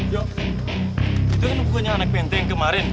yo itu kan bukunya anak pente yang kemarin